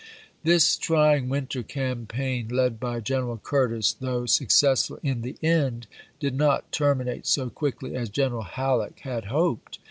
This trying winter campaign, led by Greneral Curtis, though successful in the end, did not ter minate so quickly as Greneral Halleck had hoped.